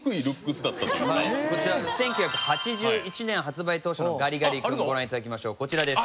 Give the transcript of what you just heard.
こちらの１９８１年発売当初のガリガリ君ご覧頂きましょうこちらです。